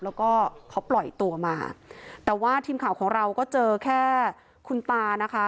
แล้วก็เขาปล่อยตัวมาแต่ว่าทีมข่าวของเราก็เจอแค่คุณตานะคะ